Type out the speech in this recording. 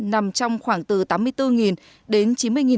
nằm trong khoảng từ tám mươi bốn đô la